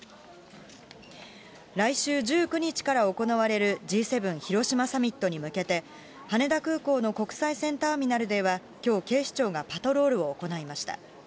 来週１９日から行われるＧ７広島サミットに向けて、羽田空港の国際線ターミナルでは、きょう、警視庁がパトロールを行いました。